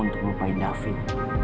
untuk lupain david